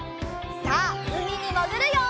さあうみにもぐるよ！